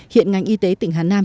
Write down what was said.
hiện ngành y tế tỉnh hà nam